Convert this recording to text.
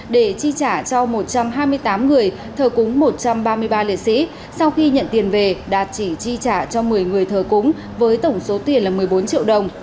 để chi trả cho một trăm hai mươi tám người thờ cúng một trăm ba mươi ba liệt sĩ sau khi nhận tiền về đạt chỉ chi trả cho một mươi người thờ cúng với tổng số tiền là một mươi bốn triệu đồng